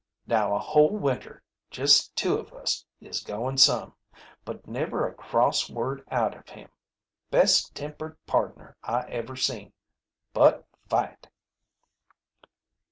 Now a whole winter, just two of us, is goin' some. But never a cross word out of him. Best tempered pardner I ever seen. But fight!"